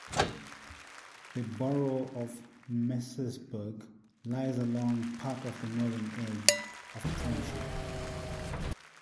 The borough of Mercersburg lies along part of the northern edge of the township.